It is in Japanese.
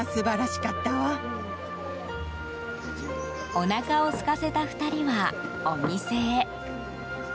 おなかをすかせた２人はお店へ。